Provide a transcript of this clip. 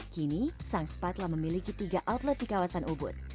kini sang spa telah memiliki tiga outlet di kawasan ubud